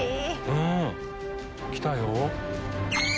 うん来たよ。